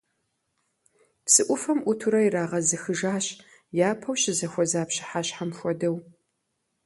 Псы Ӏуфэм Ӏутурэ ирагъэзыхыжащ, япэу щызэхуэза пщыхьэщхьэм хуэдэу.